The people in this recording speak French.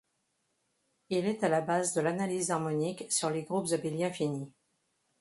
Il est à la base de l'analyse harmonique sur les groupes abéliens finis.